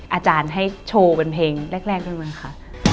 อาจารย์ให้โชว์เป็นเพลงแรกหนึ่งค่ะ